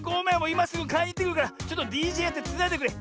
いますぐかいにいってくるからちょっとＤＪやってつないでてくれ。